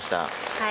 はい。